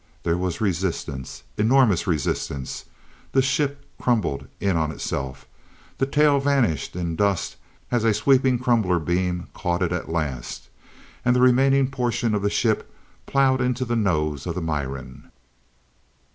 There was resistance, enormous resistance the ship crumpled in on itself, the tail vanished in dust as a sweeping crumbler beam caught it at last and the remaining portion of the ship plowed into the nose of the Miran.